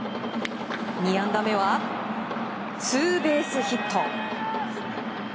２安打目は、ツーベースヒット。